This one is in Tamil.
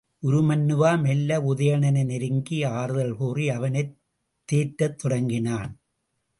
உருமண்ணுவா மெல்ல உதயணனை நெருங்கி ஆறுதல் கூறி அவனைத் தேற்றத் தொடங்கினான்.